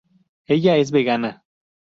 Ella es vegana.